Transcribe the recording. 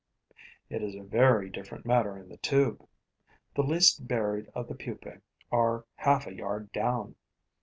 It is a very different matter in the tube. The least buried of the pupae are half a yard down.